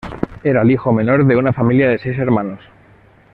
Era el hijo menor de una familia de seis hermanos.